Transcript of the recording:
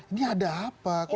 ini ada apa